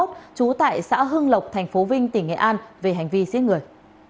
trú tại xã hưng lộc tp vinh tỉnh nghệ an về hành vi giết người